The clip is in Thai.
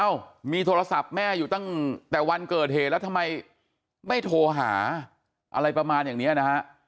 มีโทรศัพท์แม่อยู่ตั้งแต่วันเกิดเหตุแล้วทำไมไม่โทรหาอะไรประมาณอย่างนี้นะฮะ